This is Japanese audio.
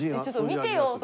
ちょっと見てよ！